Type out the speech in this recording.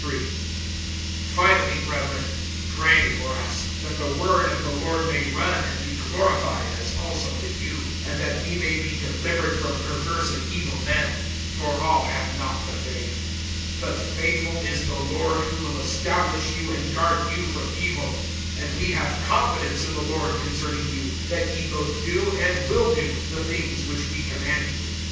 FINALLY, brethren, pray for us, that the word of the Lord may run, and be glorified, as also with you; (2)and that we may be delivered from perverse and evil men; for all have not the faith. (3)But faithful is the Lord, who will establish you, and guard you from evil[3:3]. (4)And we have confidence in the Lord concerning you, that ye both do, and will do, the things which we command you.